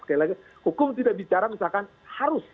sekali lagi hukum tidak bicara misalkan harus